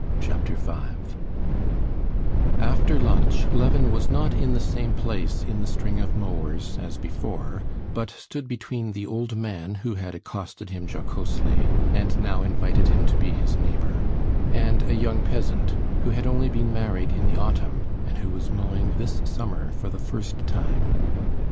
Chapter 5 After lunch Levin was not in the same place in the string of mowers as before, but stood between the old man who had accosted him jocosely, and now invited him to be his neighbor, and a young peasant, who had only been married in the autumn, and who was mowing this summer for the first time.